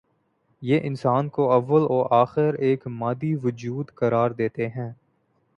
یہ انسان کو اوّ ل و آخر ایک مادی وجود قرار دیتے ہیں۔